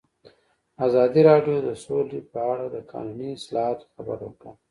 ازادي راډیو د سوله په اړه د قانوني اصلاحاتو خبر ورکړی.